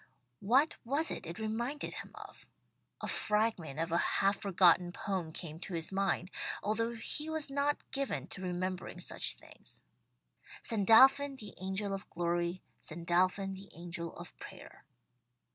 What was it it reminded him of? A fragment of a half forgotten poem came to his mind, although he was not given to remembering such things: "Sandalphon the angel of glory, Sandalphon the angel of prayer."